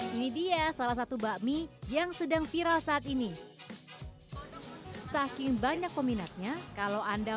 hai ini dia salah satu bakmi yang sedang viral saat ini saking banyak peminatnya kalau anda